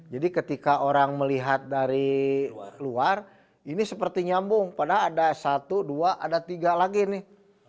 jadi ketika orang melihat dari luar ini seperti nyambung padahal ada satu dua ada tiga lagi nih